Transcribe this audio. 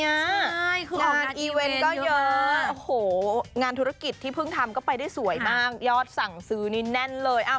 งานอีเวนต์ก็เยอะโอ้โหงานธุรกิจที่เพิ่งทำก็ไปได้สวยมากยอดสั่งซื้อนี่แน่นเลย